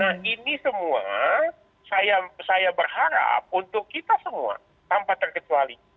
nah ini semua saya berharap untuk kita semua tanpa terkecuali